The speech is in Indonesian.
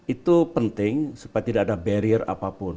itu penting supaya tidak ada barrier apapun